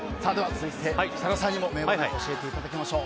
続いて、設楽さんにも名場面、教えていただきましょう。